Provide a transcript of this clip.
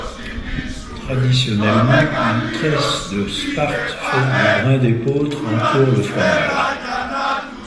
Traditionnellement, une tresse de sparte faite de brins d’épeautre entoure le fromage.